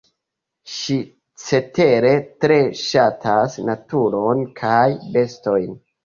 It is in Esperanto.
Ŝi cetere tre ŝatas naturon kaj bestojn.